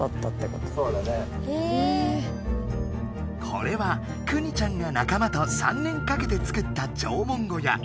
これはくにちゃんが仲間と３年かけて作った縄文小屋。